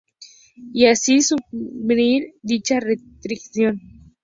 Y así suprimir dicha restricción.